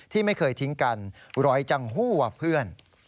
ที่ไม่เคยทิ้งกันรอยจังหัวเพื่อน